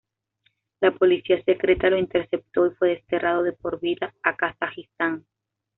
La policía secreta lo interceptó y fue desterrado de por vida a Kazajistán.